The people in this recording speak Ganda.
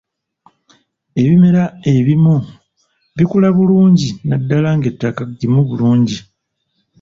Ebimera ebimu bikula bulungi naddala ng'ettaka ggimu bulungi.